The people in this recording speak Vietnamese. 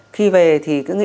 khi về thì cứ nghĩ là